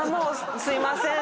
すいません。